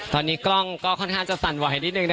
ตอนนี้กล้องก็ค่อนข้างจะสั่นไหวนิดนึงนะ